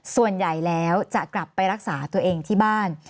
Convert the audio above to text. ส่วนใหญ่แล้วจะกลับไปรักษาตัวเองที่บ้าน